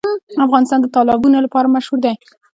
افغانستان د تالابونه لپاره مشهور دی.